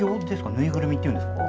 縫いぐるみっていうんですか？